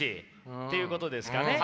っていうことですかね。